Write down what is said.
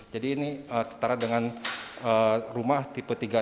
jadi ini setara dengan rumah tipe tiga puluh enam